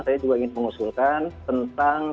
saya juga ingin mengusulkan tentang